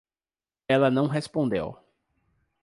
Ela não respondeu.